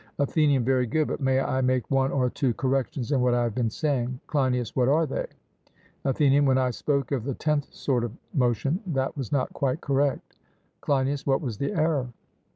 ATHENIAN: Very good; but may I make one or two corrections in what I have been saying? CLEINIAS: What are they? ATHENIAN: When I spoke of the tenth sort of motion, that was not quite correct. CLEINIAS: What was the error?